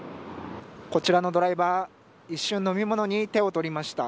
こちらのドライバー一瞬、飲み物に手を取りました。